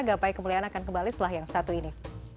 gapai kemuliaan akan kembali setelah yang satu ini